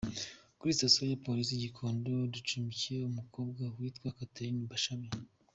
Kuri station ya Polisi i Gikondo, ducumbikiye umukobwa witwa Catherine Bashabe.